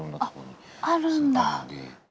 あるんだ！